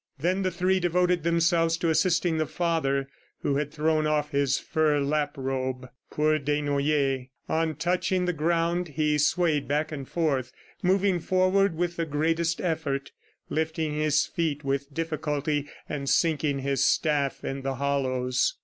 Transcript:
Then the three devoted themselves to assisting the father who had thrown off his fur lap robe. Poor Desnoyers! On touching the ground, he swayed back and forth, moving forward with the greatest effort, lifting his feet with difficulty, and sinking his staff in the hollows.